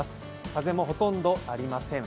風もほとんどありません。